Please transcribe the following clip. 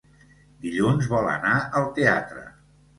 Dilluns vol anar al teatre.